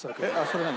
それ何？